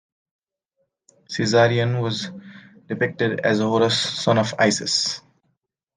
Caesarion was depicted as Horus, son of Isis.